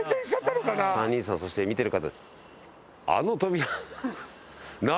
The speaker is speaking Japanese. お三人さんそして見てる方。